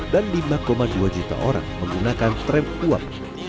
dan lima dua juta orang menggunakan tram uap